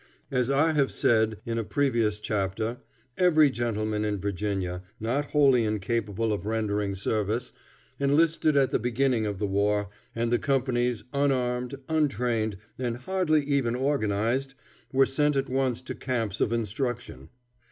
As I have said in a previous chapter, every gentleman in Virginia, not wholly incapable of rendering service, enlisted at the beginning of the war, and the companies, unarmed, untrained, and hardly even organized, were sent at once to camps of instruction.